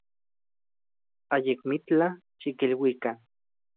Ayakmitlaj xikiluikan.